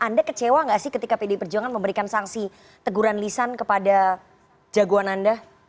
anda kecewa nggak sih ketika pdi perjuangan memberikan sanksi teguran lisan kepada jagoan anda